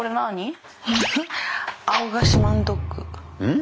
ん？